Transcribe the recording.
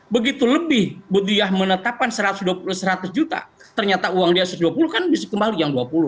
begitu lebih bu diyah menetapkan seratus juta ternyata uang dia satu ratus dua puluh kan bisa kembali yang dua puluh